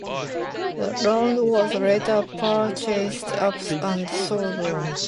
The land was later parcelled up and sold on.